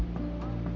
jadi mau gitu